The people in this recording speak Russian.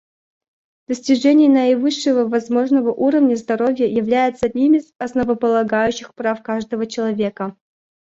Достижение наивысшего возможного уровня здоровья является одним из основополагающих прав каждого человека.